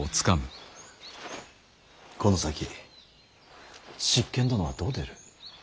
この先執権殿はどう出る？